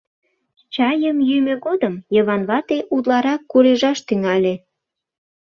Чайым йӱмӧ годым Йыван вате утларак курежаш тӱҥале.